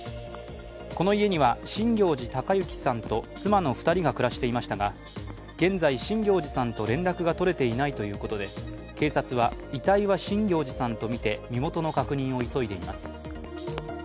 この家には新行内隆之さんと妻の２人が暮らしていましたが、現在、新行内さんと連絡が取れていないということで、警察は遺体は、新行内さんとみて身元の確認を急いでいます。